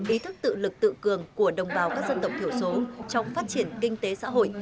ý thức tự lực tự cường của đồng bào các dân tộc thiểu số trong phát triển kinh tế xã hội